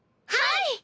はい！